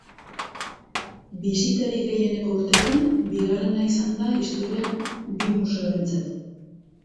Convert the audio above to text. Bisitari gehieneko urteetan bigarrena izan da historian bi museoentzat.